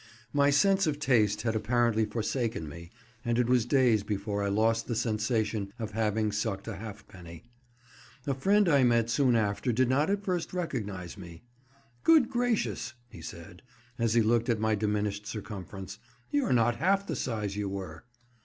My sense of taste had apparently forsaken me, and it was days before I lost the sensation of having sucked a halfpenny. A friend I met soon after did not at first recognise me. "Good gracious!" he said, as he looked at my diminished circumference, "you're not half the size you were."